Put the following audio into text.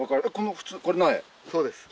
そうです。